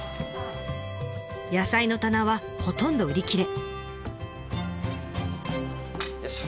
野菜の棚はほとんど売り切れ。